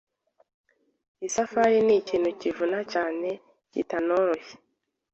isafari nikinu kivuna cyane cyitanoroshye